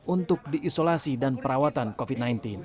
untuk diisolasi dan perawatan covid sembilan belas